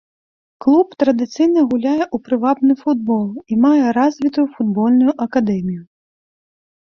Клуб традыцыйна гуляе ў прывабны футбол і мае развітую футбольную акадэмію.